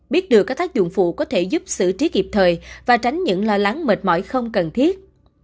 biết được các tác dụng phụ có thể giúp xử trí kịp thời và tránh những lo lắng mệt mỏi không cần thiết